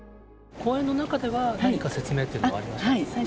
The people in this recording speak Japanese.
公演の中では何か説明っていうのはありました？